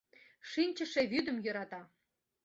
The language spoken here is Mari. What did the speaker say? Шинчыше вӱдым йӧрата;